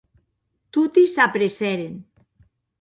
Toti s’apressèren.